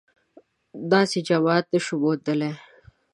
داسې جماعت نه شو موندلای